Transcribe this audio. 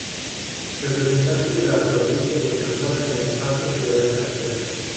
Representante de la provincia de Zamora en el Pacto Federal Castellano.